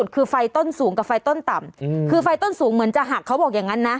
คือไฟต้นสูงกับไฟต้นต่ำคือไฟต้นสูงเหมือนจะหักเขาบอกอย่างนั้นนะ